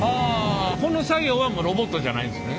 この作業はロボットじゃないんですね？